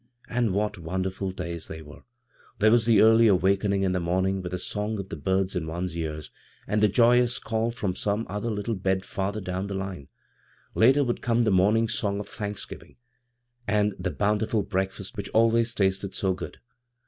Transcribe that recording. And what wonderful days th^ were! There was the eariy awakening in the morn ing with the song of the birds in one's ears, and the joyous call from some other little bed farther down the line. Later would come the morning song of thanksgiving, and the bountiful breakfast which always tasted so good.